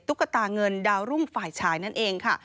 ตุ๊กตาเงินดาวรุ่งฝ่ายฉายนั่นเอง